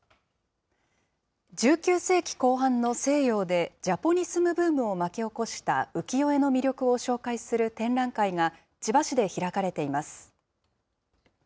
１９世紀後半の西洋でジャポニスムブームを巻き起こした浮世絵の魅力を紹介する展覧会が、千葉市で開かれています。